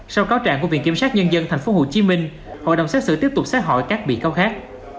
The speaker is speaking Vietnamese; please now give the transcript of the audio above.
sau cáo trạng của viện kiểm sát nhân dân tp hcm hội đồng xét xử tiếp tục sát hỏi các bị cáo khác